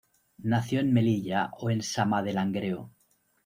Nació en Melilla o en Sama de Langreo.